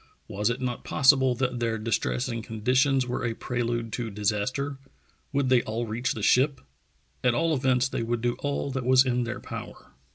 Was it not possible that their distressing conditions were a prelude to disaster? Would they all reach the ship? At all events they would do all that was in their power.